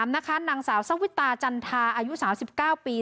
นางสาวสวิตาจันทาอายุ๓๙ปี